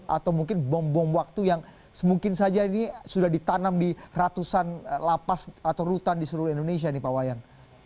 atau mungkin bom bom waktu yang semungkin saja ini sudah ditanam di ratusan lapas atau rutan di seluruh indonesia nih pak wayan